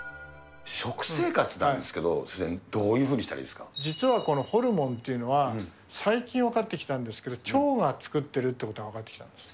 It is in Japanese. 食生活なんですけど、先生、実はこのホルモンというのは、最近分かってきたんですけど、腸が作ってるってことが分かってきたんです。